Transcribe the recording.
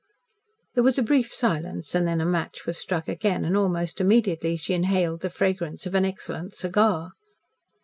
There was a brief silence, and then a match was struck again, and almost immediately she inhaled the fragrance of an excellent cigar.